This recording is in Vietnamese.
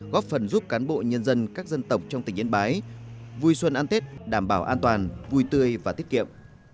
góp phần giúp cán bộ nhân dân các dân tộc trong tỉnh yên bái vui xuân an tết đảm bảo an toàn vui tươi và tiết kiệm